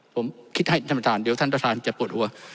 ผมคิดให้ท่านประธานเดี๋ยวท่านประธานจะปวดหัว